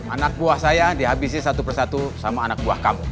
anak buah saya dihabisi satu persatu sama anak buah kamu